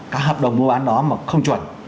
cả hợp đồng mua bán đó mà không chuẩn